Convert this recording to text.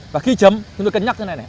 và khi chấm chúng tôi cân nhắc như thế này